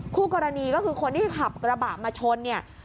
คู่กรณีก็คือคนที่ขับกระบะมาชนเนี่ย